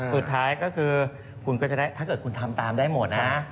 สุดท้ายก็คือถ้าเกิดคุณทำตามได้หมดนะ